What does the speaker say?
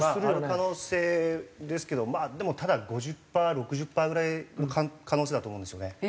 可能性ですけどでもただ５０パー６０パーぐらいの可能性だと思うんですよね。